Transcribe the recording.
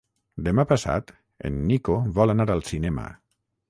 Demà passat en Nico vol anar al cinema.